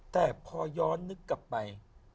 แต่พอย้อนนึกกลับไป